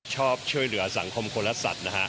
ชอบช่วยเหลือสังคมคนละสัตว์นะฮะ